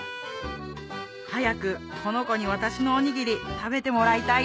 早くこの子に私のおにぎり食べてもらいたい